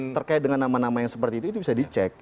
terkait dengan nama nama yang seperti itu itu bisa dicek